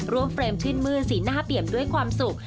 เฟรมชื่นมืดสีหน้าเปี่ยมด้วยความสุข